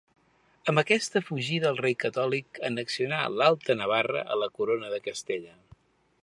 Amb aquesta fugida el rei Catòlic annexionà l'Alta Navarra a la Corona de Castella.